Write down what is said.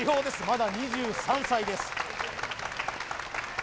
まだ２３歳です